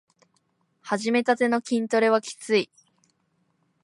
はじめたての筋トレはきつい